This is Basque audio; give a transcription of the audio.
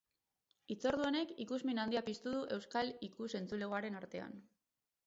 Hitzordu honek ikusmin handia piztu du euskal ikus-entzulegoaren artean.